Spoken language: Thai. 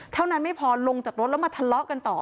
เท่านั้นไม่พอลงจากรถแล้วมาทะเลาะกันต่อ